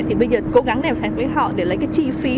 thì bây giờ cố gắng làm phản quyết họ để lấy cái chi phí